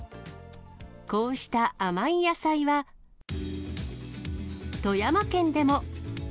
こうした甘い野菜は、富山県でも。